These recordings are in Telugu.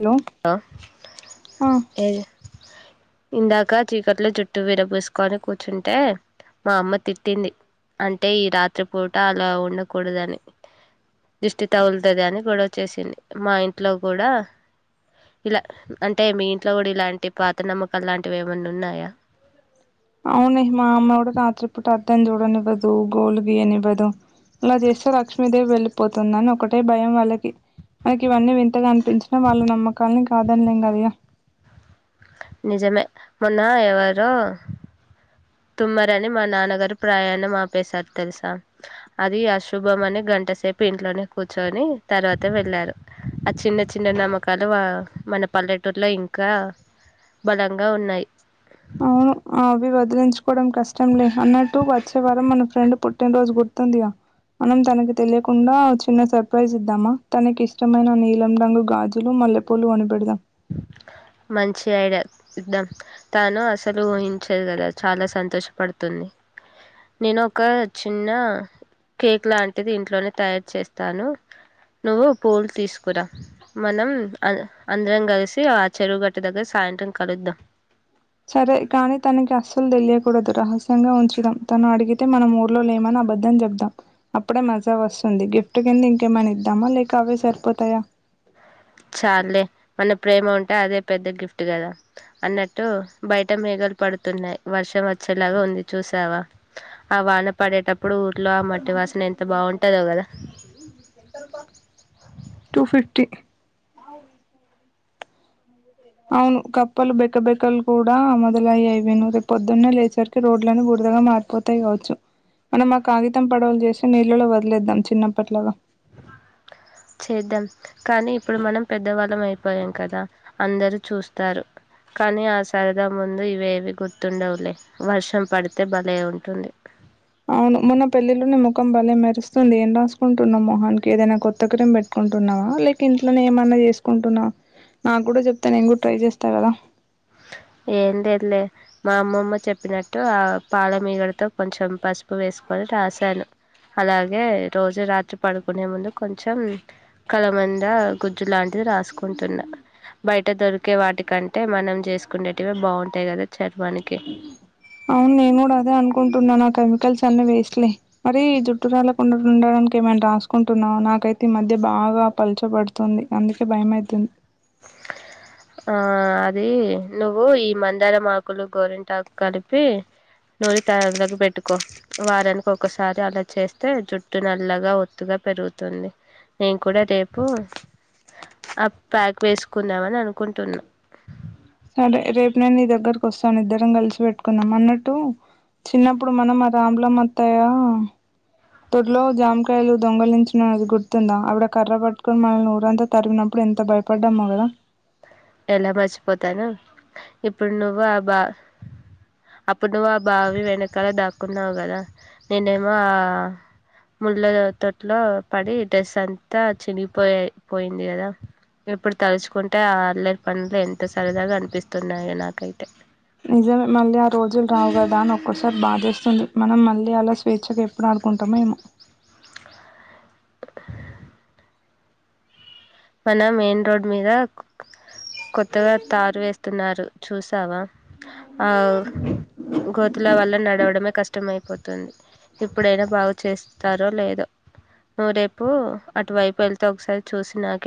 హలో ఆ ఏది ఇందాక చీకట్లో చుట్టు విరబూసుకొని కూర్చుంటే మా అమ్మ తిట్టింది అంటే ఈ రాత్రి పూట అలా ఉండకూడదని దిష్టి తగులుతది అని గొడవ చేసింది అది మా ఇంట్లో కూడా ఇలా అంటే మీ ఇంట్లో కూడా ఇలాంటి పాత నమ్మకాలు లాంటివి ఏమన్న ఉన్నాయా బెలనక్ అవునే మా మామ్మ కూడా రాత్రి పుట అద్ధం జుడనివ్వదు గోళ్లు గీయనివ్వదు ఇలా చేస్తే లక్ష్మీదేవి వెళ్ళిపోతుందని ఒకటే భయం వాళ్ళకి మనకి ఇవన్నీ వింతగా అనిపించినా వాళ్ళ నమ్మకాలని కాదనిలేం కద ఇగ నిజమే మొన్న ఎవరొ తుమ్మరని మా నాన్నగారు ప్రయా మాపేశారు తెలుసా అది అశుభం అని గంట సేపు ఇంట్లోనే కూర్చొని తర్వా త వెళ్ళారు ఆ చిన్న చిన్న వ-నమ్మకాలు మన పల్లెటూరులో ఇంకా బలంగా ఉన్నాయి అవును అవ్ వదిలించుకోవడం కష్టంలే అన్నట్టు వచ్చే వారం మన ఫ్రెండ్ పుట్టినరోజు గుర్తుందిగా మనం తనకి తెలియకుండా చిన్న సర్ప్రైజ్ ఇద్దామా తనకి ఇష్టమైన నీలం రంగు గాజులు మల్లెపూలు కొనిపెడుదాం మంచి ఐడియా ఇద్దాం తాను అసలు ఊహించదు కదా చాలా సంతోషపడుతుంది నేను ఒక చిన్న కేక్ లాంటిది ఇంట్లోనే తయారు చేస్తాను నువ్వు పూలు తీసుకురా మనం అ-అన్ అంధ్రం కలిసి ఆ చెరువు గట్టు దగ్గర సాయంత్రం కలుద్దాం సరే కాని తనకి అస్సలు తెలియకూడదు రహస్యంగా ఉంచుదాం తను అడిగితే మనం ఊర్లో లేమని అబద్ధం చెబ్దాం అప్పుడే మజ వస్తుంది గిఫ్ట్ కింద ఇంకేమైనా ఇద్దామా లేక అవే సరిపోతాయా చాల్లే మన ప్రేమ ఉంటే అదే పెద్ద గిఫ్ట్ కదా అన్నట్టు బయట మేగ పడుతున్నాయి వర్షం వచ్చేలాగా ఉంది చూసావా ఆ వాన పడేటప్ అప్పుడు ఊర్లో ఆ మట్టి వాసన ఎంత బాగుంటుందో కదా టూ ఫిఫ్టీ అవును కప్పలు బెక బెకలు కూడా మొదలయ్యాయి విను రేపు పొద్దున్నే లేచరకి రోడ్లని కూడ్ బుధగా మారిపోతాయి కావచ్చు మనం ఆ కాగితం పడవలు చేసి నీళ్ళలో వదిలేద్దాం చిన్నప్పట్లాగా చేద్దాం కానీ ఇప్పుడు మనం పెద్దవాళ్ళం అయి పోయాం కదా అందరు చూస్తారు కానీ ఆ సరదా ముందు ఇవేవి గుర్తుండవులే వర్షం పడితే భలే ఉంటుంది మొకంబలే మెరుస్తుంది ఏం రాసుకుంటున్నావ్ మోహని కి ఏదైనా కొత్త క్రీమ్ పెట్టుకుంటున్నావా లేక ఇంట్లోనే ఏమన్నా చేసుకుంటున్నా నాకు కూడా చెప్తే నెన్ కూడా ట్రై చేస్తా కదా ఏం లేదులే మా అమ్మమ్మ చెప్పినట్టు అ పాలమగడతో కొంచెం పసుపు వేస్ పల్ రాశాను అలాగే రోజు రాత్రి పడుకునే ముందు కొంచెం కల మంద గుజ్జు లాంటిది రాసుకుంటున్న బైట దొరికే వాటికంటే మనం చేస్ చేసుకుండేటివే బాగుంటాయి కదా చర్మానికి అవును నేను కూడ అదే అనుకుంటున్నాను ఆ కెమికల్స్ కొన్ని వేస్ట్లే మరి జుట్టు రాళ్కుండ ఉండడానికి ఏమైనా రాసుకుంటున్నావ నాకైతే ఈ మధ్య బాగా బ పల్చబడుతుంది అందుకే భయం అయితుంది ఆ అది నువ్వు ఈ మందారాం ఆకులు గోరింటాక్ కలిపి నూరి తల అంతకు పెట్టు కో వారానికి ఒకసారి అలా చేస్తే జుట్టు నల్లగా ఒత్తుగా పెరుగుతుంది నేను కూడా రేపు అ ప్యాక్ వేసుకుందామని అనుకుంటున్నా సరే రేపు నేను నీ దగ్గరకు వస్తాను ఇద్దరం కలిసి పెట్టుకుందం అన్నట్టు చిన్నప్పుడు మనం ఆ రాములమ అత్తయ్య దొడ్లో జామకాయలు దొంగలించిన అది గుర్తుందా అవిడ కర్ర పట్టుకొని మనల్ని ఊరంతా తరిమీనప్పుడు ఎంత భయపడ్డామో కదా ఎలా మర్చిపోతాను ఇప్పుడు నువ్వు ఆ బా అప్పుడు నువ్వు ఆ బావి వెనకాల దాక్కున్నావు కదా నేనేమో ఆ ముళ్ళ తొట్లో పడి డ్రెస్ అంతా చినిగిపోయి పోయ పోయింది కదా ఇప్పుడు తలుచుకుంటే ఆ అల్లరి పన్లు ఎంత సరదాగా అనిపిస్తున్నాయి నాకైతే నిజమే మళ్ళీ ఆ రోజులు రావు కదా అని ఒక్కోసార్ బాధేస్ స్తుంది మనం మళ్ళీ అలా స్వేచ్ఛగా ఎప్పుడు ఆడుకుంటామో ఏమో మన మెయిన్ రోడ్ మీద కొత్తగా తారు వేస్తున్నారు చూసావా ఆవ్ గోతుల వల్ల నడవడమే కష్టం అయిపోతుంది ఇప్పుడైనా బాగు చేస్ స్తారో లేదో నువ్వు రేపు అటువైపు వెళ్తే ఒకసారి చూసి నాక్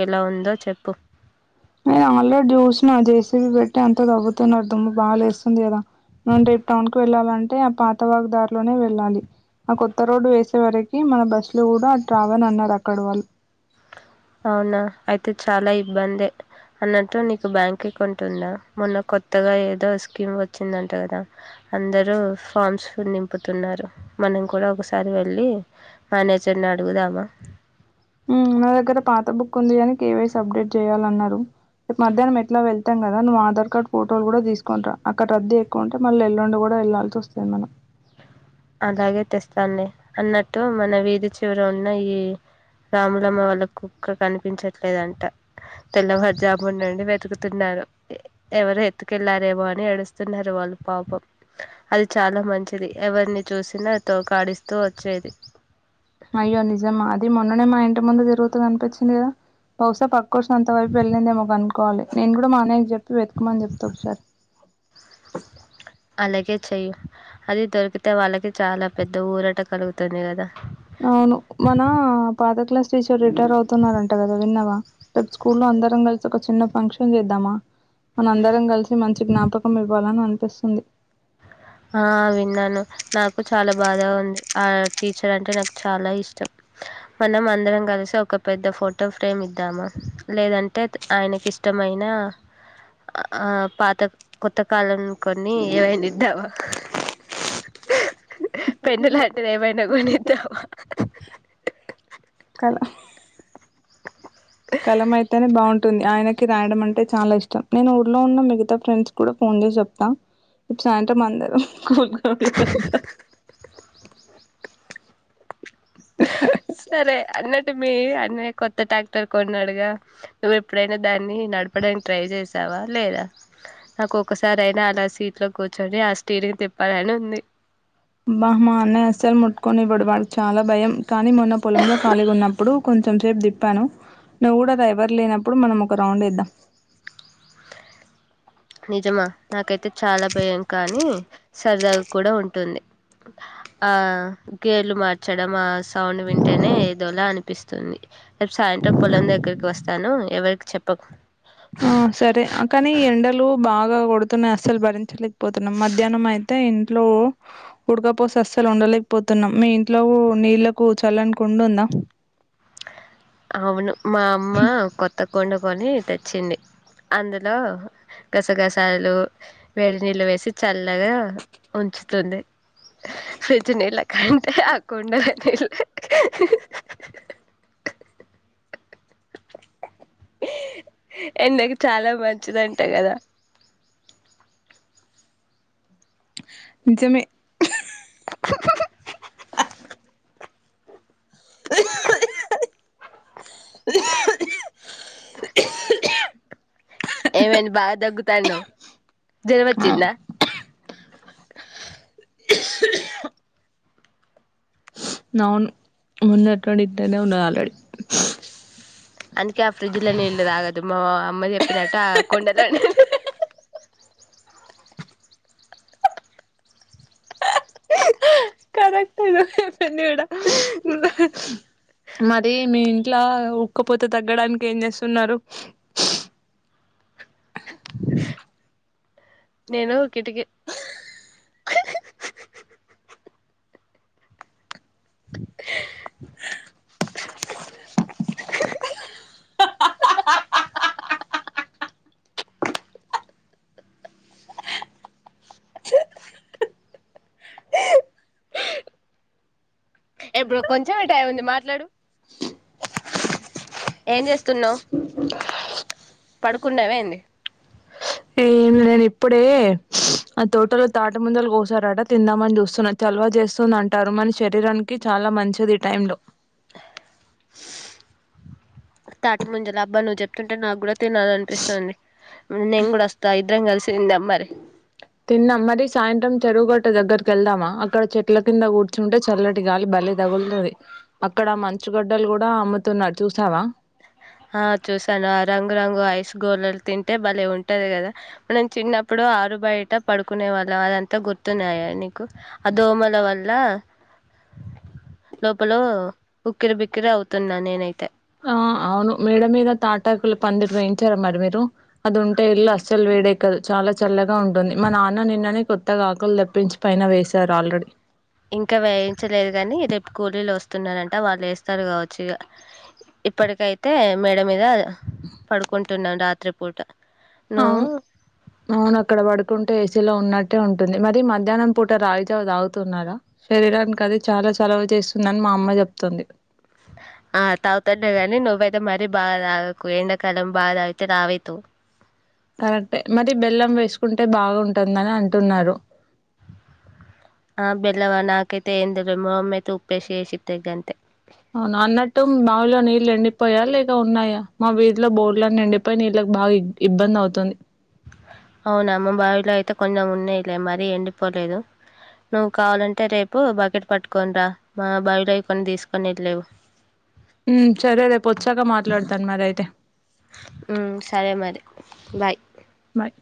నేన్ ఆల్రెడ్ జూసనా జేసిబి బెట్ట అంత తవుతున్నారు దుమ్ము బాలేస్తుంది కదా అంటే టవున్ కి వెళ్ళాలం అంటే ఆ పాతవాకు దారిలోనే వెళ్ళాలి ఆ కొత్త రోడ్డు వేసే వరకి మన బస్సులు కూడా రావనన్నారు అక్కడ వాళ్ళు అవునా ఐతే చాలా ఇబ్బందే అన్నట్టు నీకు బ్యాంక్ అకౌంట్ ఉందా మొన్న కొత్తగా ఏదో స్కీమ్ వచ్చిందంట కదా అందరు ఫార్మ్స్ నింపుతున్నారు మనం కూడా ఒకసారి వెళ్ళి మేనేజర్ అడుగుదామా ఉమ్ నా దగ్గర పాత బుక్ ఉంది కాని కే వై సీ అప్డేట్ చేయాలన్నారు రేప్ మధ్యాహ్నం ఎట్ల వెళ్తాం గదా నువ్వు ఆధార్ కార్డ్ ఫోటోలు కూడా తీసుకొనిరా అక్కడ రద్ది ఎక్కువుంటే మళ్ళ ఎల్లుండు కూడా వెళ్లాల్సి వస్తుంది మనం అలాగే తెస్తాండి అన్నట్టు మన వీధి చివర ఉన్న ఈ రాములమ్మ వాళ్ళ కుక్క కనిపించట్లేదంట తెల్లవారి జామునుండి వెతుకుతున్నారు ఎవరో ఎత్తుకెళ్ళారేమో అని ఏడుస్తున్నారు వాళ్ళు పాపం అది చాలా మంచిది ఎవరిని చూసినా తోకాడిస్తూ వచ్చేది అయ్యో నిజమా అది మొన్ననే మా ఇంటి ముందు తిరుగుతూ కనిపించింది కదా బహుశా పక్క త వైపు వెళ్ళిందేమో కనుకోవాలి నేను కూడా మా అన్నయ్యకి చెప్పి వె మని చెప్తా ఒకసారి అలాగే చెయ్యి అది దొరికితే వాళ్ళకే చాలా పెద్ద ఊరట కలుగుతది కదా అవును మన పాత క్లాస్ టీచర్ రిటైర్ అవుతున్నారంట కదా విన్నవా రేప్ స్కూల్లో అందరం ఒక చిన్న ఫంక్షన్ చేద్దామా మన అందరం కలిసి మంచి జ్ఞాపకం ఇవ్వాలని అనిపిస్తుంది ఆ విన్నాను నాకు చాలా బాదగాఉంది ఆ టీచర్ అంటే నాకు చాలా ఇష్టం మనం అందరం కలిసి ఒక పెద్ద ఫోటో ఫ్రేమ్ ఇద్దామ లేదంటే ఆయనకిష్టం అయిన పాత కొత్త కాలం కొన్ని ఎవై స్తావా పెన్ను లాంటిది ఏమైనా కొనిద్దామ ఆహ్ కలం అయితేనే బాగుం టుంది ఆయనకి రాయడం అంటే చాలా ఇష్టం నేను ఊర్లో ఉన్న మిగతా ఫ్రెండ్స్ కూడా ఫోన్ చేసి చెప్తా సాయంత్రం అందరూ స్కూల్ గ్రౌండ్లో కలుద్దాం సరే అన్నట్టు మీ అన్నయ కొత్త కొత్త టాక్టర్ కొన్నాడుగా నువ్వు ఎప్పుడైనా దాన్ని నడపడానికి ట్రై చేసావా లేదా నాకు ఒక్కసారి అయినా అలా సీట్లో కూర్చోని ఆ స్టీరింగ్ తిప్పాలని ఉంది బా మా అన్నయ్య అస్సలు ముట్టుకొనివ్వడు వానికి చాలా భయం కానీ మొన్న పొలంలో కాలీగా ఉన్నప్పుడు కొ కొంచెం సేపు తిప్పాను నువ్వు కూడా రా ఎవరు లేనప్పుడు మనం ఒక రౌండ్ ఏద్దం నిజమా నాకైతే చాలా భయం కానీ సరదాగా కూడా ఉంటుంది ఆ గేర్లు మార్చడం ఆ సౌండ్ వింటేనే ఏదోలా అనిపిస్తుంది రేపు సాయంత్రం పొలం దగ్గరకి వస్తాను ఎవరికి చెప్పకు ఆ సరే కానీ ఎండలు బాగా కొడుతున్నాయి అస్సలు భరించలేకపోతున్నాం మధ్యాహ్నం అయితే అయితే ఇంట్లో ఉడకపోస్తే అసలు ఉండలేకపోతున్నాం మీ ఇంట్లో నీళ్లకు చల్లని కుండుంద అవును మా అమ్మ కొత్త కుండకొని తెచ్చింది అందులో గసగసాలు వేడి నీళ్ళు వేసి చల్లగా ఉంచుతుంది ఫ్రిడ్జ్ నీళ్ళకంటే ఆ కుండల నీళ్లు ఎండకి చాలా మంచిదంట కదా నిజమే ఏమైంది బాగా దగ్గుతానువు జరం వచ్చిందందా అవును మొన్నటినుండి ఇట్టానే ఉన్నది ఆల్రెడీ అందుకే ఆ ఫ్రిడ్జ్ లో నీళ్ళు తాగదు మా అమ్మ చెప్పినట్టు ఆ కొండలో నీళ్ళు కరెక్ట్ ఇగ పిన్ని కూడ మరి మీ ఇంట్లో ఉక్కపోతే తగ్గడానికి ఏం చేస్తున్నారు నేను కిటికి ఇప్పుడు కొంచం మే టైం ఉంది మాట్లాడు ఎమ్ చేస్తున్నావు పడుకున్నావ ఏంది ఏం లేదు ఇప్పుడే ఆ తోటలు తాటి ముంజాలు కోసారట తిందాం అని చూస్తున్నా చలవా చేస్తుంది అంటా అది మన శరీరానికి చాలా మంచిది ఈ టై లో తాటి ముజాల అబ్బా నువ్వు చెపుతుంటే నాకు కూడా తినాలి అనిపిస్తుంది నేను కూడా వస్తా ఇద్దరం కలిసి తిందాం మరి తిందాం మరి సాయంత్రం చెరువుగట్ట దగ్గర వెళ్దామా అక్కడ చెట్ల కింద కూర్చ కూర్చుంటే చల్లటి గాలి బలే తగులుతది అక్కడ ఆ మంచుగడ్డలు కూడా అమ్ముతున్నారు చూసావా ఆ చూసాను ఆ రంగు రంగు ఐస్ గోలాలు తింటే భలే ఉంటది కదా మనం చిన్నప్పుడు ఆరు బయట పడుకునే వాళ్ళం అదంతా గుర్తున్నది కదా ఆ దోమల వల్ల లోపలో ఉక్కిరి బిక్కిరి అవుతున్నా నేనైతే ఆ అవును మేడ మీద తాటాకులు పందిరి వేయించారు మరి మీరు అది ఉంటే ఇల్లు అస్సలు వేడెక్కదు చాలా చల్లగా ఉంటుంది మా నాన్న నిన్ననే కొత్తగా ఆకులు తెప్పించి పైన వేశారు ఆల్రెడీ ఇంకా వేయించలేదు గాని రేపు కూలీలో వస్ స్తున్నారంట వాళ్ళు వేస్తారు కావచ్చు ఇక ఇప్పటికైతే మేడ మీద పడుకుంటునా రాత్రి పూట అవును అవును అక్కడ పడుకుంటే ఏసీలో ఉన్నట్టే ఉంటుంది మరి మధ్యాహ్నం పూట రాగి జావా తాగుతున్నారా శరీరానికి అది చాలా చలవ చేస్తుందని మా అమ్మ చెపుతుంది ఆ తాగుతన్న గాని నువ్వై మరి బాగా తాగకు ఎండాకాలం బాగా తాగితే లావు అయితవ్ కుంటే బాగుంటుందని అంటున్నారు ఆ బెలవ నాక అయితే ఎమ్ తెలువదు మా మమ్మీ అయితే ఉప్పే ఏసి ఇస్తే గంతే అవును అన్నట్టు మాములుగా నీళ్లు ఎండి పోయా లేక ఉన్నాయా మా విధుల్లో బోర్లని ఎం డిపోయి నీళ్ళకి బాగా ఇబ్బంది అవుతుంది అవునా మా బావిలో అయితే కొంచెం ఉన్నాయిలే మరీ ఎండిపోలేదు నువ్వు కావాలంటే రేపు బకెట్ పట్టుకోని రా మా బావిలో కొన్ని తీసుకుని వెళ్ళు హమ్ సరే రేపు వచ్చాక మాట్లాడతాను మరి అయితే హమ్ సరే మరి బాయ్ బాయ్